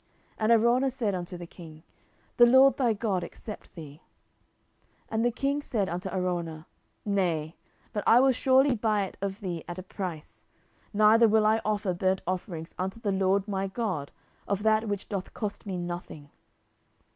And Araunah said unto the king, The LORD thy God accept thee. 10:024:024 And the king said unto Araunah, Nay; but I will surely buy it of thee at a price: neither will I offer burnt offerings unto the LORD my God of that which doth cost me nothing.